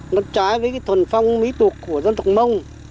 nó trái với cái thuần phong mỹ tục của dân tộc mông